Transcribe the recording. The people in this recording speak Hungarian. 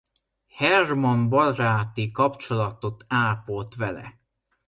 Hermann baráti kapcsolatot ápolt vele.